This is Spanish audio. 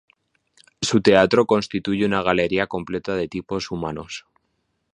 Su teatro constituye una galería completa de tipos humanos.